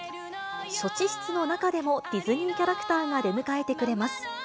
処置室の中でもディズニーキャラクターが出迎えてくれます。